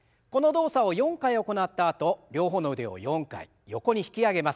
この動作を４回行ったあと両方の腕を４回横に引き上げます。